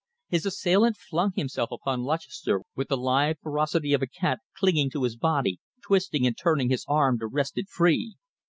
His assailant flung himself upon Lutchester with the lithe ferocity of a cat, clinging to his body, twisting and turning his arm to wrest it free.